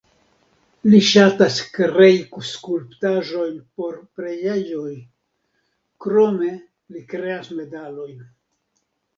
Li ŝatas krei skulptaĵojn por preĝejoj, krome li kreas medalojn.